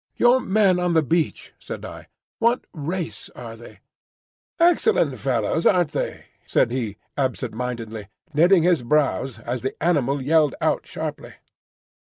"Your men on the beach," said I; "what race are they?" "Excellent fellows, aren't they?" said he, absentmindedly, knitting his brows as the animal yelled out sharply.